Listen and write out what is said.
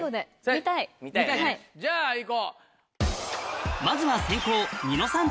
じゃあいこう。